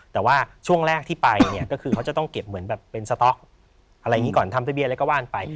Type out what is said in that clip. แต่ว่าช่วงแรกที่ไปเนี่ยก็คือเขาจะต้องเก็บเหมือนแบบเป็นสต๊อกอะไรอย่างนี้ก่อนทำทะเบียนอะไรก็ว่าไป